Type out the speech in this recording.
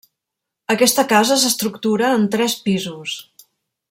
Aquesta casa s'estructura en tres pisos.